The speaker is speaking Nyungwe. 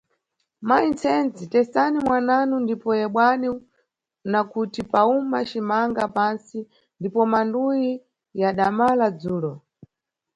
Mayi Msenzi, tesani mwananu, ndipo yebwani, nakuti pawuma cimanga pantsi, ndipo manduwi yadamala dzulo.